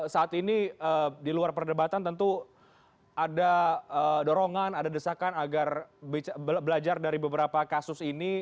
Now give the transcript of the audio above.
saat ini di luar perdebatan tentu ada dorongan ada desakan agar belajar dari beberapa kasus ini